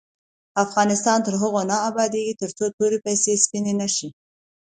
افغانستان تر هغو نه ابادیږي، ترڅو توري پیسې سپینې نشي.